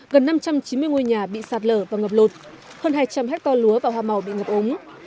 gần năm trăm chín mươi ngôi nhà bị sạt lở và ngập lụt hơn hai trăm linh hectare lúa và hoa màu bị ngập ống